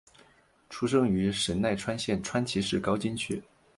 出生于神奈川县川崎市高津区。